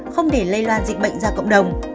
không để lây loàn dịch bệnh ra cộng đồng